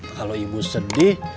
kalau ibu sedih